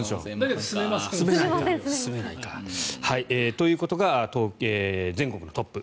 ということが全国のトップ。